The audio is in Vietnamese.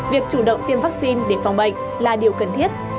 việc chủ động tiêm vaccine để phòng bệnh là điều cần thiết